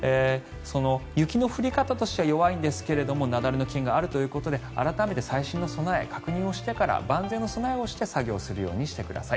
雪の降り方としては弱いんですが雪崩の危険があるということで改めて最新の備え確認してから、万全の備えをして作業するようにしてください。